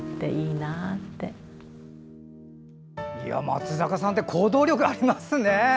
松坂さんって行動力ありますね！